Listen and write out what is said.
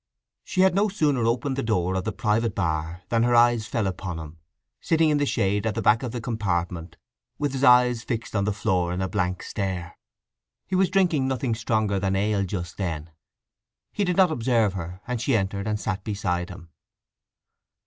She had no sooner opened the door of the "Private Bar" than her eyes fell upon him—sitting in the shade at the back of the compartment, with his eyes fixed on the floor in a blank stare. He was drinking nothing stronger than ale just then. He did not observe her, and she entered and sat beside him.